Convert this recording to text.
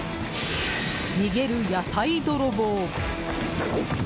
逃げる野菜泥棒！